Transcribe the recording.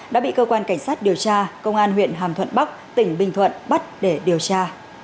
đã bị cơ quan cảnh sát điều tra công an huyện hàm thuận bắc tỉnh bình thuận bắt để điều tra